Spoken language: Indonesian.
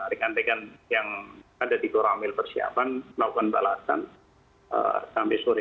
rekan rekan yang ada di koramil persiapan melakukan balasan sampai sore